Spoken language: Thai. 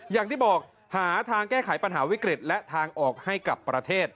อย่างที่บอกหาทางแก้ไขปัญหาวิกฤตและทางออกให้กับประเทศ